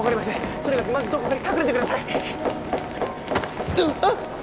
とにかくまずどこかに隠れてくださいあっ！